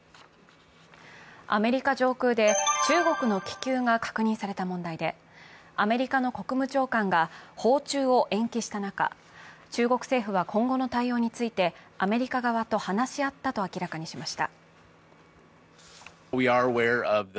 アメリカ上空で中国の気球が確認された問題で、アメリカの国務長官が訪中を延期した中、中国政府は今後の対応について、アメリカ側と話し合ったと明らかにしました。